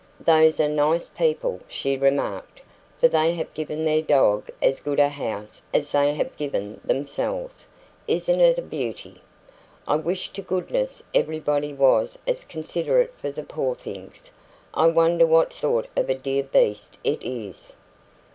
"Those are nice people," she remarked, "for they have given their dog as good a house as they have given themselves. Isn't it a beauty? I wish to goodness everybody was as considerate for the poor things. I wonder what sort of a dear beast it is?"